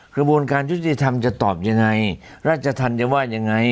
กระบวนการยุติธรรมจะตอบยังไงราชธรรมจะว่ายังไง